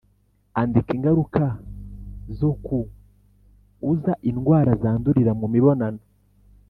Andika ingaruka zo kut uza indwara zandurira mu mibonano